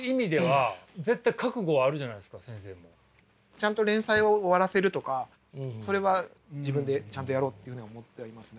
ちゃんと連載を終わらせるとかそれは自分でちゃんとやろうっていうふうには思ってはいますね。